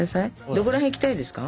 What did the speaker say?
どこら辺行きたいですか？